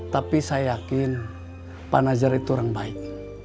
tapi saya yakin pak nazar itu orang baik